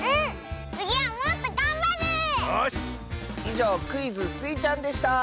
いじょうクイズ「スイちゃん」でした！